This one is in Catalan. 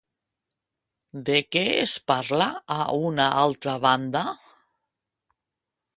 De què es parla a una altra banda?